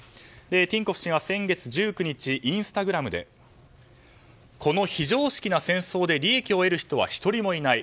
ティンコフ氏が先月１９日インスタグラムでこの非常識な戦争で利益を得る人は１人もいない。